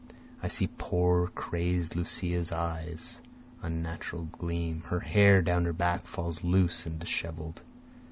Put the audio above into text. I see poor crazed Lucia's eyes' unnatural gleam, Her hair down her back falls loose and dishevel'd.